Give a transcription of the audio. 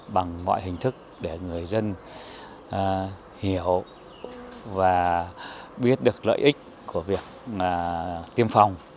bằng mọi hình thức để người dân hiểu và biết được lợi ích của việc tiêm phòng